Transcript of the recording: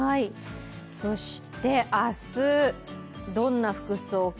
そして明日、どんな服装か。